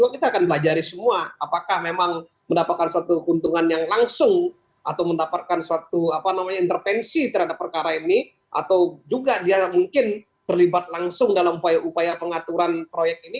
kita akan belajari semua apakah memang mendapatkan suatu keuntungan yang langsung atau mendapatkan suatu intervensi terhadap perkara ini atau juga dia mungkin terlibat langsung dalam upaya upaya pengaturan proyek ini